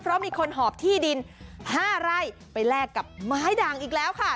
เพราะมีคนหอบที่ดิน๕ไร่ไปแลกกับไม้ด่างอีกแล้วค่ะ